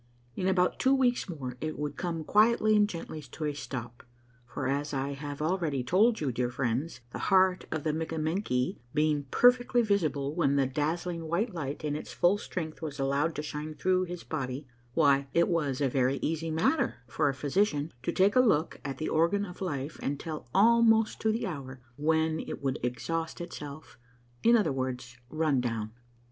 In about two weeks more it would come quietly and gently to a stop ; for, as I have already told you, dear friends, the heart of a Mikka menky being perfectly visible when the dazzling white light in its full strength was allowed to shine through his body, why, it was a very easy matter for a physician to take a look at the organ of life, and tell almost to the hour when it would exhaust itself — in other words, run down.